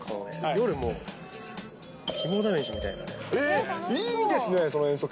夜も、肝試しみいいですね、その遠足。